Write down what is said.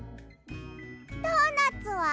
ドーナツは？